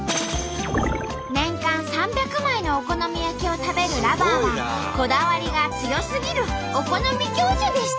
年間３００枚のお好み焼きを食べるＬｏｖｅｒはこだわりが強すぎるお好み教授でした！